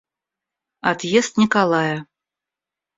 Отъезд Николая.